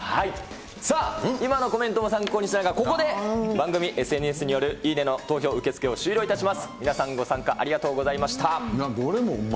さあ、今のコメントも参考にしながら、ここで番組ＳＮＳによるいいねの投票受け付けを終了いたします。